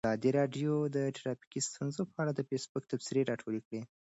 ازادي راډیو د ټرافیکي ستونزې په اړه د فیسبوک تبصرې راټولې کړي.